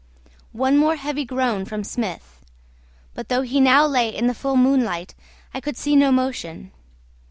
One more heavy groan from Smith; but though he now lay in the full moonlight I could see no motion.